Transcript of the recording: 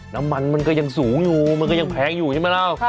น้ำมันมันก็ยังสูงอยู่มันก็ยังแพงอยู่ใช่ไหมเรา